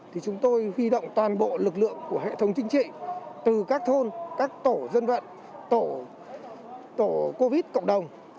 thì chúng tôi huy động toàn bộ lực lượng của hệ thống chính trị từ các thôn các tổ dân vận tổ covid cộng đồng